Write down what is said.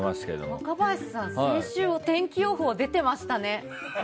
若林さん、先週お天気予報に出てましたね。